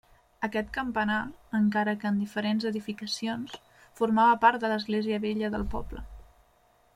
Aquest campanar, encara que en diferents edificacions, formava part de l’església vella del poble.